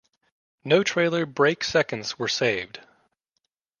No Trailer Brake Seconds were saved.